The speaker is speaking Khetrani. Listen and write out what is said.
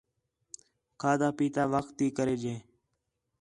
کھادا، پِیتا وخت تی کرے ڄے